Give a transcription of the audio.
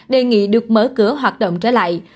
đề nghị được mở cửa hoạt động trở lại